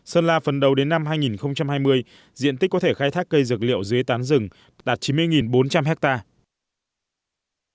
sơn la phần đầu đến năm hai nghìn hai mươi diện tích có thể khai thác cây dược liệu dưới tán rừng đạt chín mươi bốn trăm linh hectare